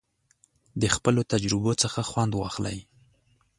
د خپلو تجربو څخه خوند واخلئ.